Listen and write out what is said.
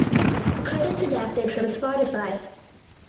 Credits adapted from Spotify.